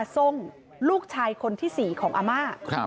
ทรงลูกชายคนที่๔ของอาม่า